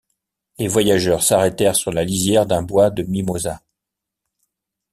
Les voyageurs s’arrêtèrent sur la lisière d’un bois de mimosas.